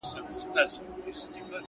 چي بیا به څو درجې ستا پر خوا کږيږي ژوند؛